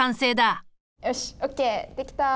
よしＯＫできた。